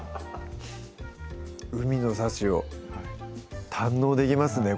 海の幸を堪能できますね